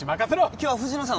今日は藤野さん